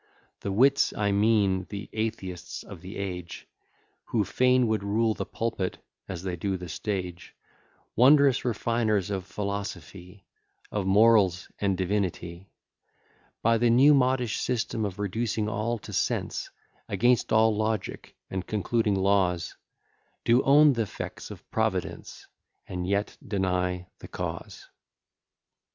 The wits, I mean the atheists of the age, Who fain would rule the pulpit, as they do the stage, Wondrous refiners of philosophy, Of morals and divinity, By the new modish system of reducing all to sense, Against all logic, and concluding laws, Do own th'effects of Providence, And yet deny the cause.